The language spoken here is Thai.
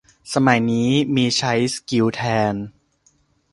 สมัยนี้มีใช้สกิล แทน